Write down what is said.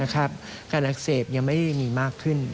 การอักเสบยังไม่ได้มีมากขึ้น